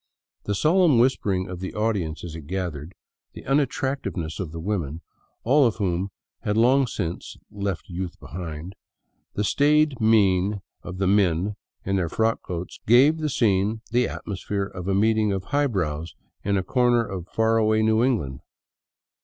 The solemn whispering of the audience as it gathered, the unattractiveness of the women, all of whom had long since left youth behind, the staid mien of the men in their frock coats, gave the scene the atmosphere of a meeting of *' highbrows " in a corner of far away New England.